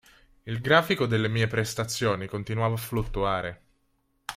Il grafico delle mie prestazioni continuava a fluttuare.